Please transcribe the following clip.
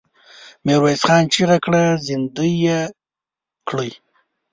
ميرويس خان چيغه کړه! زندۍ يې کړئ!